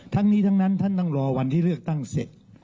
ทั้งนี้ทั้งนั้นท่านต้องรอวันที่เลือกตั้งเสร็จ